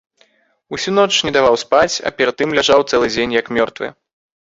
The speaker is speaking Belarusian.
Усю ноч не даваў спаць, а перад тым ляжаў цэлы дзень як мёртвы.